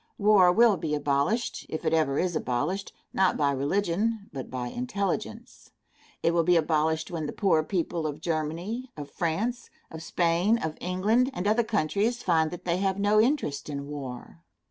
War will be abolished, if it ever is abolished, not by religion, but by intelligence. It will be abolished when the poor people of Germany, of France, of Spain, of England, and other countries find that they have no interest in war.